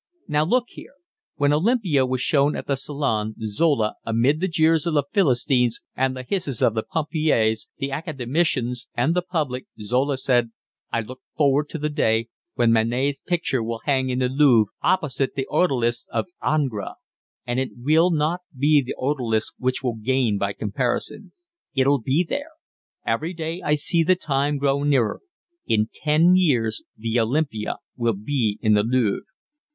"Now look here, when Olympia was shown at the Salon, Zola—amid the jeers of the Philistines and the hisses of the pompiers, the academicians, and the public, Zola said: 'I look forward to the day when Manet's picture will hang in the Louvre opposite the Odalisque of Ingres, and it will not be the Odalisque which will gain by comparison.' It'll be there. Every day I see the time grow nearer. In ten years the Olympia will be in the Louvre."